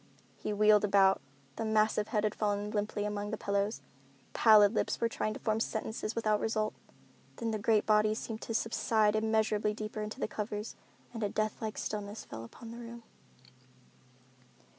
He wheeled about. The massive head had fallen limply among the pillows. Pallid lips were trying to form sentences without result. Then the great body seemed to subside immeasurably deeper into the covers and a death like stillness fell upon the room.